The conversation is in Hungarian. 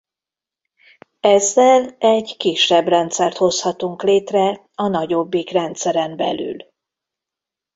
Ezzel egy kisebb rendszert hozhatunk létre a nagyobbik rendszeren belül.